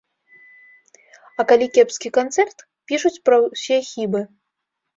А калі кепскі канцэрт, пішуць пра ўсе хібы.